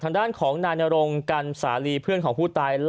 ทางด้านของมารนโรงกันสาลีเพื่อนของผู้ตายเล่าแบบนี้เลย